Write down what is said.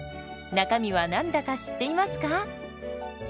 中身は何だか知っていますか？